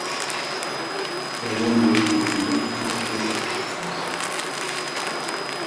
Ihre Wohnung wird gekündigt und sie steht auf der Straße.